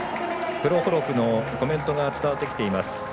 プロホロフのコメントが伝わってきています。